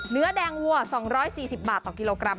เนื้อแดงวัว๒๔๐บาทต่อกิโลกรัม